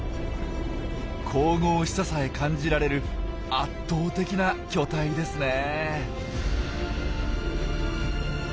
神々しささえ感じられる圧倒的な巨体ですね。